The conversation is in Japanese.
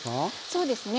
そうですね